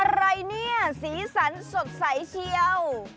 อะไรนี่สีสันสดสายเชี่ยว